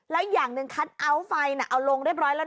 แล้วอย่างหนึ่งคัทเอาท์ไฟเอาลงเรียบร้อยแล้ว